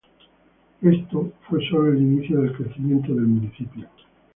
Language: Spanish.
Esto fue sólo el inicio del crecimiento del municipio.